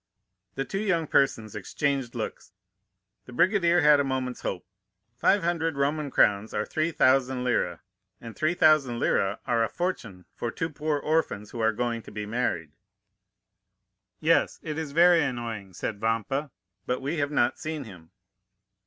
The two young persons exchanged looks. The brigadier had a moment's hope. Five hundred Roman crowns are three thousand lire, and three thousand lire are a fortune for two poor orphans who are going to be married. "'Yes, it is very annoying,' said Vampa; 'but we have not seen him.